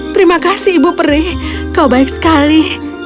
terima kasih ibu peri kau baik sekali